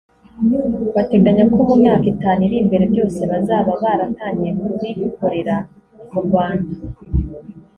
Bateganya ko mu myaka itanu iri imbere byose bazaba baratangiye kubikorera mu Rwanda